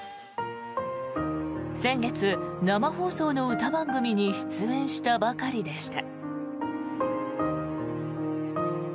先月、生放送の歌番組に出演したばかりでした。